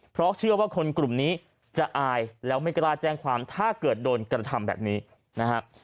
เพราะเชื่อว่าคนกลุ่มนี้จะอายแล้วไม่กล้าแจ้งความถ้าเกิดโดนกระทำแบบนี้นะฮะ